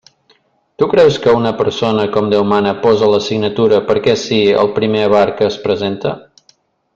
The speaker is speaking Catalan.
Tu creus que una persona com Déu mana posa la signatura, perquè sí, al primer avar que es presenta?